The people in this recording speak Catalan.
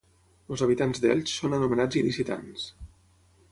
Els habitants d'Elx són anomenats il·licitans.